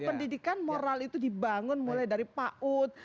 pendidikan moral itu dibangun mulai dari paut